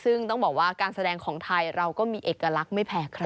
ซึ่งต้องบอกว่าการแสดงของไทยเราก็มีเอกลักษณ์ไม่แพ้ใคร